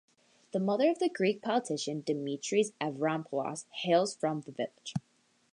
The mother of the Greek politician Dimitris Avramopoulos hails from the village.